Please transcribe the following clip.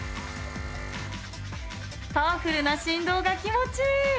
パワフルな振動が気持ちいい。